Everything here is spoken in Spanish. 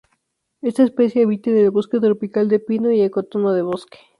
Esta especie habita en el bosque tropical de pino y ecotono de bosque.